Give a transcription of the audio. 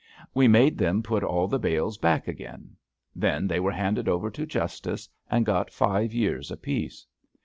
We made them put all the bales back again. Then they were handed over to justice and got five years apiece.